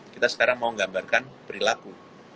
kita sekarang mau menggambarkan perilaku